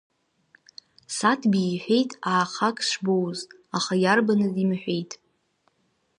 Саҭбеи иҳәеит аахак шбоуз, аха иарбаныз имҳәеит.